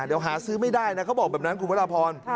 เดี๋ยวหาซื้อไม่ได้นะเขาบอกแบบนั้นคุณพระราพร